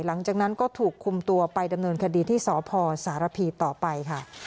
หลังจากนั้นก็ถูกคุมตัวไปดำเนินคดีที่สพสารพีต่อไปค่ะ